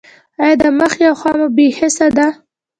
ایا د مخ یوه خوا مو بې حسه ده؟